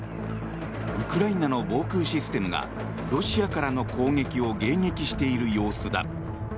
ウクライナの防空システムがロシアからの攻撃を迎撃している様子だ。